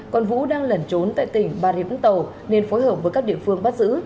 còn vũ đang lẩn trốn tại tỉnh bà rịa vũng tàu nên phối hợp với các địa phương bắt giữ